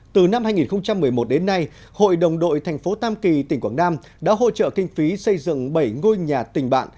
từ năm hai nghìn một mươi một đến nay hội đồng đội thành phố tam kỳ tỉnh quảng nam đã hỗ trợ kinh phí xây dựng bảy ngôi nhà tình bạn